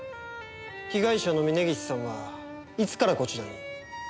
被害者の峰岸さんはいつからこちらに？